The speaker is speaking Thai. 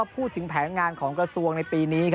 พูดถึงแผนงานของกระทรวงในปีนี้